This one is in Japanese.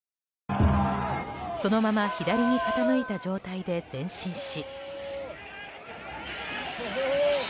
そのまま左に傾いた状態で前進し。